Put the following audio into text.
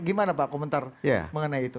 gimana pak komentar mengenai itu